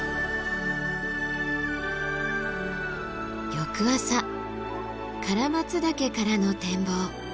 翌朝唐松岳からの展望。